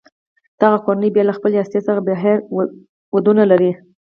دغه کورنۍ بیا له خپلې هستې څخه بهر ودونه لري.